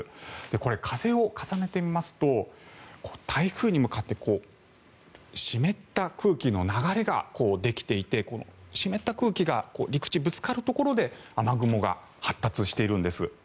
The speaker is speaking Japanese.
これ、風を重ねてみますと台風に向かって湿った空気の流れができていて湿った空気が陸地にぶつかるところで雨雲が発達しているんです。